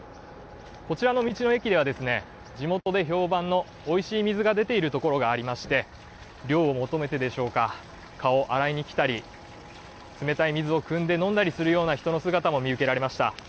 こちらの道の駅では地元で評判のおいしい水が出ているところがありまして、涼を求めて顔に洗いに来たり、冷たい水をくんで飲んだりする人の姿も見受けられました。